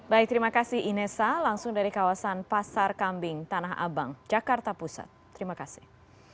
baik terima kasih inessa langsung dari kawasan pasar kambing tanah abang jakarta pusat terima kasih